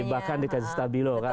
bahkan di kasus stabilo kan